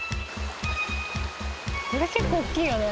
これ結構大きいよね。